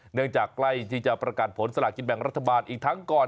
เนื่องจากใกล้ที่จะประกาศผลสลากินแบ่งรัฐบาลอีกทั้งก่อน